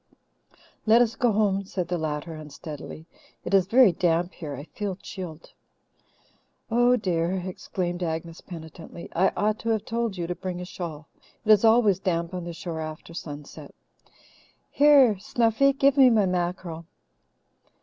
"Let us go home," said the latter unsteadily. "It is very damp here I feel chilled." "Oh, dear!" exclaimed Agnes penitently. "I ought to have told you to bring a shawl. It is always damp on the shore after sunset. Here, Snuffy, give me my mackerel.